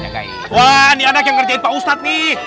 wah ini anak yang ngerjain pak ustadz nih